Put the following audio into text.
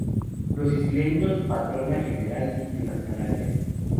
Los isleños patrona general de las Canarias.